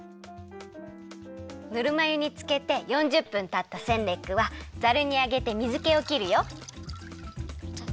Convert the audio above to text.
ぬるま湯につけて４０分たったセンレックはざるにあげて水けをきるよ。